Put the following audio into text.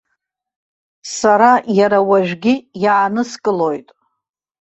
Сара иара уажәгьы иааныскылоит!